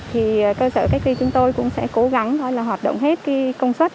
thì cơ sở cách ly chúng tôi cũng sẽ cố gắng hoạt động hết công suất